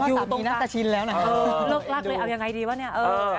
อยู่ตรงที่ฉันชินแล้วนะ